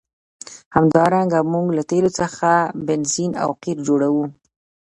همدارنګه موږ له تیلو څخه بنزین او قیر جوړوو.